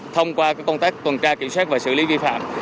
thông qua công tác tuần tra kiểm soát và xử lý vi phạm